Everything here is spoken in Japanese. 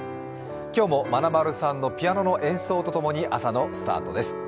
今日もまなまるさんのピアノの演奏とともに朝のスタートです。